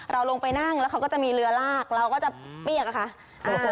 เราลงไปนั่งแล้วเขาก็จะมีเรือลากเราก็จะเปรี้ยกอะค่ะ